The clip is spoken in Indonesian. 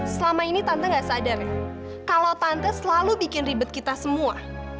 selama ini tante gak sadar ya kalau tante selalu bikin ribet kita semua